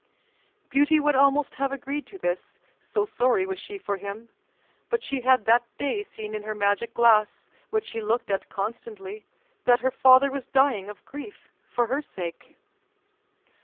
Beauty would almost have agreed to this, so sorry was she for him, but she had that day seen in her magic glass, which she looked at constantly, that her father was dying of grief for her sake.